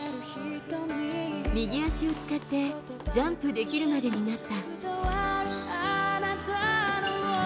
右足を使ってジャンプできるまでになった。